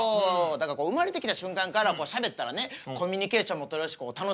だから生まれてきた瞬間からしゃべったらねコミュニケーションも取れるし楽しそうやなと思うのよね。